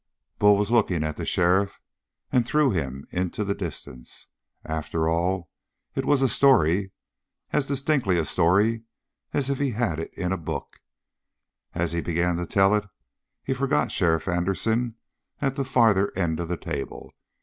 Bull was looking at the sheriff and through him into the distance. After all, it was a story, as distinctly a story as if he had it in a book. As he began to tell it, he forgot Sheriff Anderson at the farther end of the table.